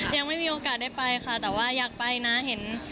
ยังไม่มีโอกาสได้ไปค่ะแต่ว่าอยากไปนะเห็น